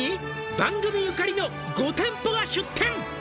「番組ゆかりの５店舗が出店」